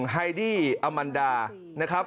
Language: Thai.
ไฮดี้อมันดานะครับ